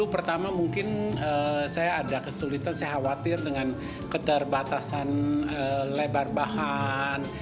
pertama mungkin saya ada kesulitan saya khawatir dengan keterbatasan lebar bahan